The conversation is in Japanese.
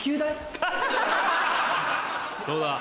そうだ。